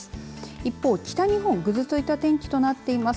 一方、北日本ぐずついた天気となっています。